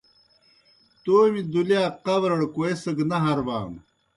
تومیْ دُلِیاک قبرَڑ کوئیسگہ نہ ہربانوْ۔